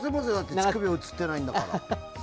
乳首映ってないから。